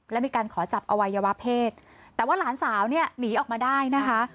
และมีการขอจับอวัยวะเพศแต่ว่าหลานสาวเนี่ยหนีออกมาได้นะคะ